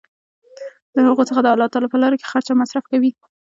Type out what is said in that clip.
د هغو څخه د الله تعالی په لاره کي خرچ او مصر ف کوي